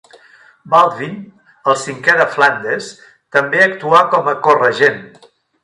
Baldwin el cinquè de Flandes també actuà com a co-regent.